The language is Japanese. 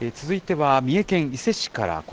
続いては三重県伊勢市から。